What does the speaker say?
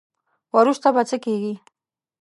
وروسته به څه کیږي.